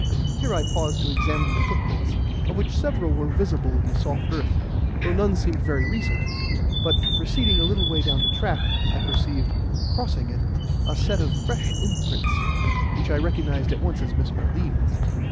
Here I paused to examine the footprints, of which several were visible in the soft earth, though none seemed very recent; but, proceeding a little way down the track, I perceived, crossing it, a set of fresh imprints, which I recognized at once as Miss Haldean's.